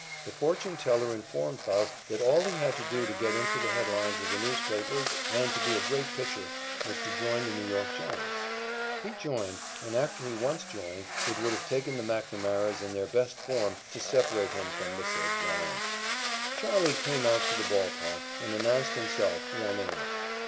The fortune teller informed Faust that all he had to do to get into the headlines of the newspapers and to be a great pitcher was to join the New York Giants. He joined, and, after he once joined, it would have taken the McNamaras in their best form to separate him from the said Giants. "Charley" came out to the ball park and amused himself warming up.